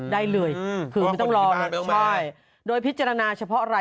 ได้เลยคือไม่ต้องรอหรอกใช่โดยพิจารณาเฉพาะอะไร